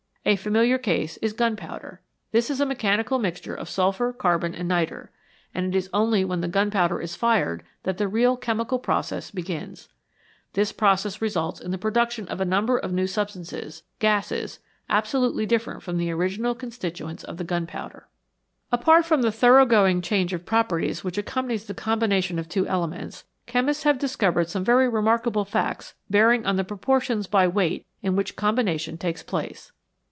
A familiar case is gunpowder. This is a mechanical mixture of sulphur, carbon, and nitre, and it is only when the gunpowder is fired that the real chemical process begins. This pro cess results in the production of a number of new sub stances gases absolutely different from the original constituents of the gunpowder. 34 or NX^X NATURE'S BUILDING MATERIAL Apart from the thorough going change of properties which accompanies the combination of two elements, chemists have discovered some very remarkable facts bearing on the proportions by weight in which combina tion takes place.